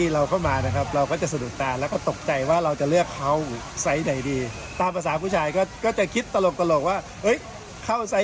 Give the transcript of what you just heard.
เราเข้ามานะครับเราก็จะสะดุดตาแล้วก็ตกใจว่าเราจะเลือกเขาไซส์ไหนดีตามภาษาผู้ชายก็จะคิดตลกว่าเข้าใจ